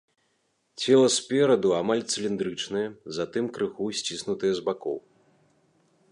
Цела спераду амаль цыліндрычнае, затым крыху сціснутае з бакоў.